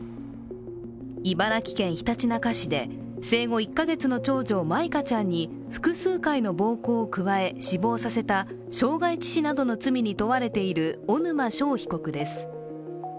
茨城県ひたちなか市で生後１カ月の長女、舞香ちゃんに複数回の暴行を加え死亡させた傷害致死などの罪に問われている小沼勝被告です。